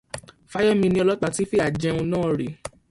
Fáyemí ní ọlọ́pàá ti fìyà jẹ òun náà rí.